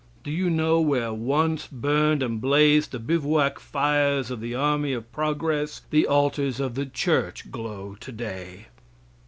Do you know where once burned and blazed the bivouac fires of the army of progress, the altars of the church glow today?